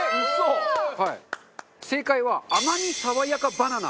中丸：正解は甘みさわやかバナナ。